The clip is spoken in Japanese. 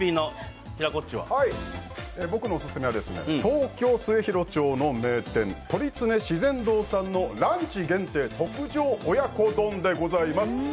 僕のオススメは東京・末広町の名店鳥つね自然洞さんのランチ限定特上親子丼でございます。